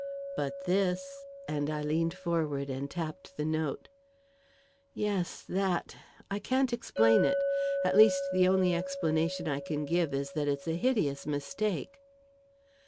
"But this," and I leaned forward and tapped the note. "Yes that I can't explain it. At least, the only explanation I can give is that it's a hideous mistake."